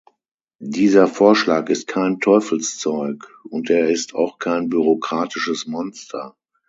Dieser Vorschlag ist kein Teufelszeug, und er ist auch kein bürokratisches Monster.